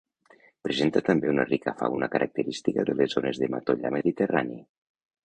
Presenta també una rica fauna característica de les zones de matollar mediterrani.